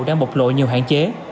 đang bộc lộ nhiều hạn chế